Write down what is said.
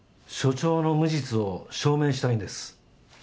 署長の無実を証明したいんです。